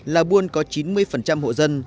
là buôn có chín mươi hộ dân